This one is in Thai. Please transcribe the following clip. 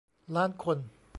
ล้านคน